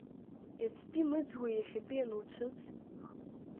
Иацтәи мыӡуеи иахьатәи ануцәыӡ!